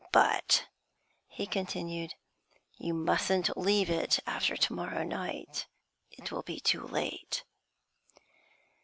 'But,' he continued, 'you mustn't leave it after to morrow night. It will be too late.'